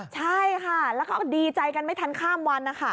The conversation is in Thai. ใช่ค่ะแล้วก็ดีใจกันไม่ทันข้ามวันนะคะ